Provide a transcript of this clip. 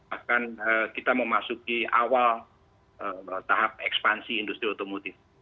akan kita memasuki awal tahap ekspansi industri otomotif